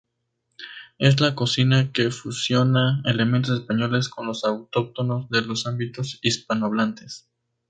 Es la cocina que fusiona elementos españoles con los autóctonos de los ámbitos hispanohablantes.